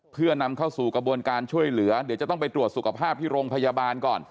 เพื่อนำเข้าสู่กระบวนการช่วยเหลือเดี๋ยวจะต้องไปตรวจสุขภาพที่โรงพยาบาลก่อน